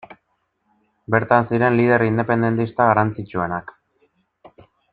Bertan ziren lider independentista garrantzitsuenak.